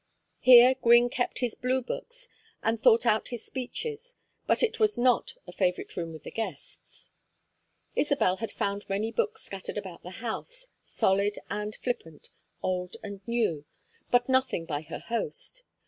Here Gwynne kept his Blue Books and thought out his speeches, but it was not a favorite room with the guests. Isabel had found many books scattered about the house, solid and flippant, old and new, but nothing by her host.